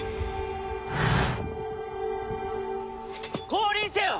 降臨せよ！